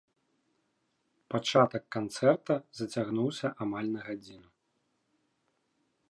Пачатак канцэрта зацягнуўся амаль на гадзіну.